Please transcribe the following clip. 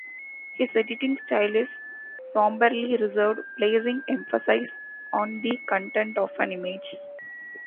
His editing style is somberly reserved, placing emphasis on the content of an image.